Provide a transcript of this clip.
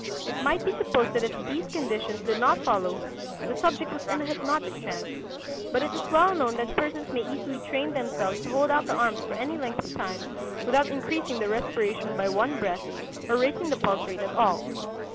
It might be supposed that if these conditions did not follow the subject was in a hypnotic trance; but it is well known that persons may easily train themselves to hold out the arms for any length of time without increasing the respiration by one breath or raising the pulse rate at all.